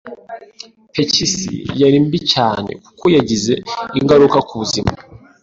Pikisi yari mbi cyane kuko yagize ingaruka ku buzima